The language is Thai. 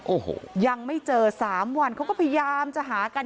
โอ้โหยังไม่เจอสามวันเขาก็พยายามจะหากัน